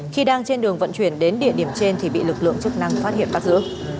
khi đang trên đường vận chuyển đến địa điểm trên thì bị lực lượng chức năng phát hiện bắt giữ